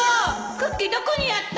クッキーどこにやったの？